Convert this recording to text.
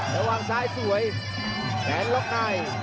ระหว่างซ้ายสวยแขนล็อกใน